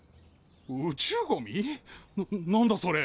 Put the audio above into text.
宇宙ゴミ？な何だそれ。